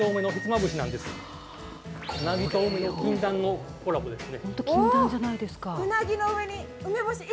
うなぎと梅の禁断のコラボですね。